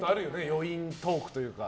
余韻トークというか。